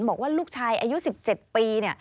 บอกว่าลูกชายอายุ๑๗ปี